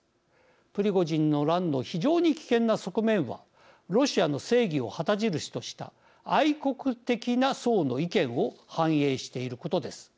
プリゴジンの乱の非常に危険な側面はロシアの正義を旗印とした愛国的な層の意見を反映していることです。